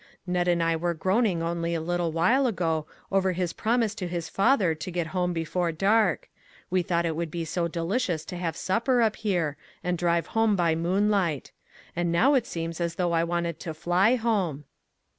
Ned and I were groaning only a little while ago over his promise to his father to get home before dark; we thought it would be so delicious to have supper up here, and drive home by moonlight; and now it seems as though I wanted to fly home."